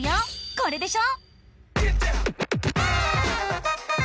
これでしょ？